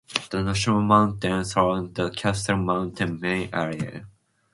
The national monument surrounds the Castle Mountain Mine Area.